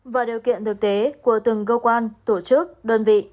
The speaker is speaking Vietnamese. và điều kiện thực tế của từng cơ quan tổ chức đơn vị